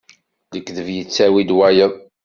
Lekdeb yettawi-d wayeḍ.